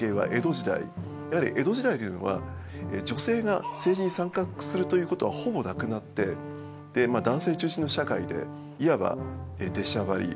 やはり江戸時代というのは女性が政治に参画するということはほぼなくなってまあ男性中心の社会でいわば出しゃばりとかですね